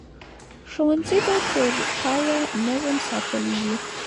ښوونځي به تر پایه نظم ساتلی وي.